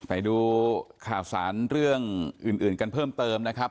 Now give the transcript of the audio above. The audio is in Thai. ไปดูข่าวสารเรื่องอื่นกันเพิ่มเติมนะครับ